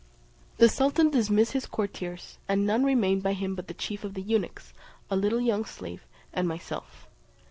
The sultan dismissed his courtiers, and none remained by him but the chief of the eunuchs, a little young slave, and myself.